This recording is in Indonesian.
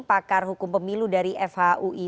pakar hukum pemilu dari fhui